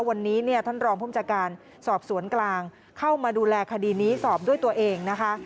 วันนี้เนี่ยท่านรองภูมิจากการสอบสวนกลางเข้ามาดูแลคดีนี้สอบด้วยตัวเองนะคะ